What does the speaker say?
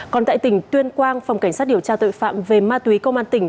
còn tại tỉnh tuyên quang phòng cảnh sát điều tra tội phạm về ma túy công an tỉnh